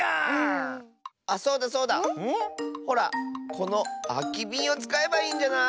このあきびんをつかえばいいんじゃない？